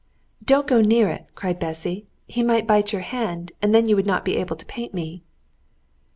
"Don't go near it!" cried Bessy; "he might bite your hand, and then you would not be able to paint me."